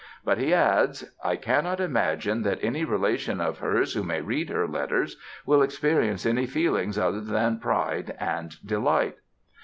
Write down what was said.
But he adds, "I cannot imagine that any relation of hers who may read her letters will experience any feelings other than pride and delight."